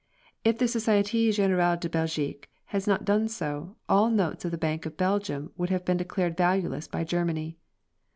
If the Société Générale de Belgique had not done so, all notes of the Bank of Belgium would have been declared valueless by Germany.